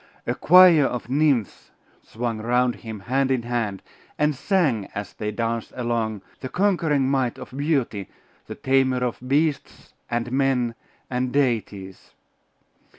A choir of nymphs swung round him hand in hand, and sang, as they danced along, the conquering might of Beauty, the tamer of beasts and men and deities.